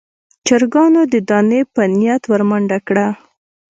چرګانو د دانې په نيت ور منډه کړه.